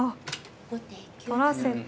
取らせて。